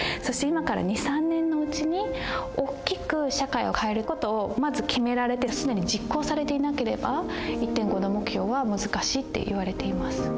そして今から２３年のうちにおっきく社会を変えることをまず決められてすでに実行されていなければ１．５℃目標は難しいっていわれています。